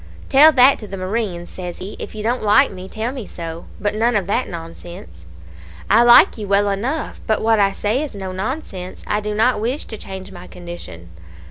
"'Tell that to the marines,' says he. 'If you don't like me, tell me so; but none of that nonsense.' "'I like you well enough; but what I say is no nonsense. I do not wish to change my condition.'